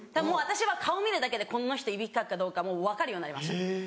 もう私は顔見るだけでこの人いびきかくかどうか分かるようになりました。